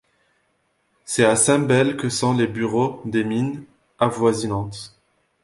C'est à Sain-Bel que sont les bureaux des mines avoisinantes.